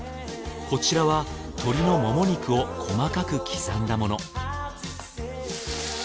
こちらは鶏のもも肉を細かく刻んだもの